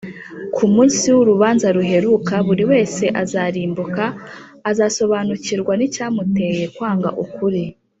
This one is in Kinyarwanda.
Ku munsi w’urubanza ruheruka, buri wese uzarimbuka azasobanukirwa n’icyamuteye kwanga ukuri